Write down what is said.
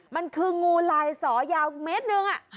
มันคืองูไหลลายศ่อยาว๑เมตร